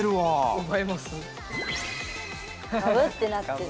ガブってなってる。